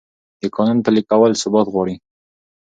د قانون پلي کول ثبات غواړي